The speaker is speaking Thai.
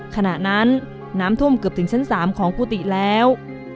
ขณะนั้นน้ำท่วมเกือบถึงชั้น๓ของกุฏิแล้ว